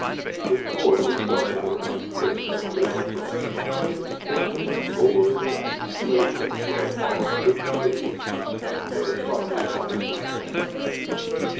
This cord was doubled around a stick that stood upright, its pointed lower end placed in a sort of hollow wooden dish where a socket had been scooped out.